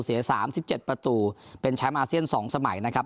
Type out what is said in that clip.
เสียสามสิบเจ็ดประตูเป็นแชมป์อาเซียนสองสมัยนะครับ